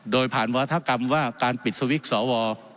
โดยผ่านวาธกรรมว่าการปิดสวิตช์สว